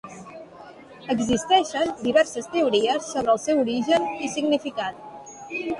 Existeixen diverses teories sobre el seu origen i significat.